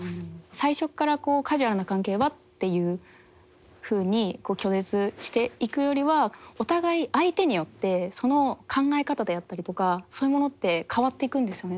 最初っから「カジュアルな関係は」っていうふうに拒絶していくよりはお互い相手によってその考え方であったりとかそういうものって変わっていくんですよね